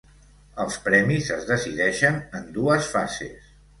Els premis es decideixen en dues fases.